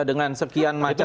dengan sekian macam